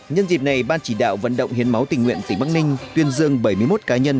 nhân dịp này ban chỉ đạo vận động hiến máu tình nguyện tỉnh bắc ninh tuyên dương bảy mươi một cá nhân